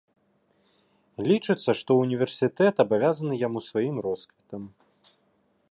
Лічыцца, што ўніверсітэт абавязаны яму сваім росквітам.